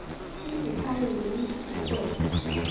积极参与邻里聚会